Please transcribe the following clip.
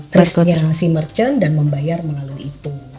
krisnya si merchant dan membayar melalui itu